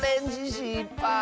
しっぱい。